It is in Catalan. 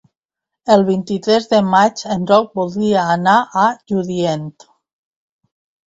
El vint-i-tres de maig en Roc voldria anar a Lludient.